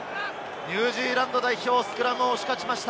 ニュージーランド代表、スクラム、押し勝ちました。